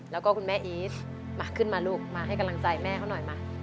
แล้วก็คุณแม่อีทมาขึ้นมาลูกมาให้กำลังใจแม่เขาหน่อยมา